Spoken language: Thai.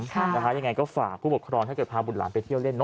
ยังไงก็ฝากผู้ปกครองถ้าเกิดพาบุตรหลานไปเที่ยวเล่นเน